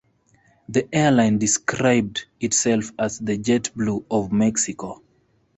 The airline described itself as the "JetBlue of Mexico".